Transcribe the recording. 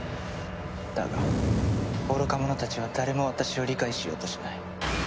だが愚か者たちは誰も私を理解しようとしない。